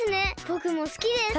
ぼくもすきです。